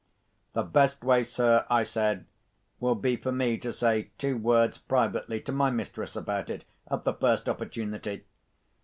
"The best way, sir," I said, "will be for me to say two words privately to my mistress about it at the first opportunity.